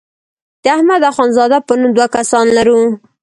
د احمد اخوند زاده په نوم دوه کسان لرو.